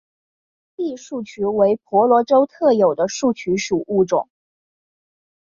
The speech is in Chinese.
山地树鼩为婆罗洲特有的树鼩属物种。